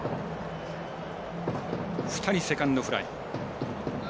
２人、セカンドフライ。